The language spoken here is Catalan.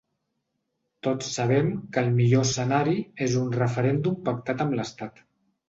Tots sabem que el millor escenari és un referèndum pactat amb l’estat.